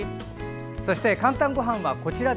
「かんたんごはん」はこちら。